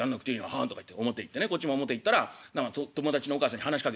「はん」とか言って表行ってねこっちも表行ったら何か友達のお母さんに話しかけてんですね。